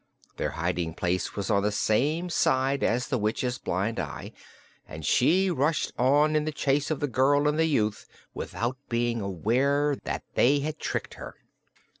Their hiding place was on the same side as the witch's blind eye, and she rushed on in the chase of the girl and the youth without being aware that they had tricked her.